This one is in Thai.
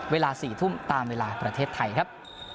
เวลา๔ทุ่มตามเวลาประเทศไทยครับ